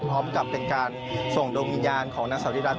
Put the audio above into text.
พร้อมกับเป็นการส่งดวงวิญญาณของนางสาวิรัต